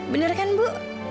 bener kan bu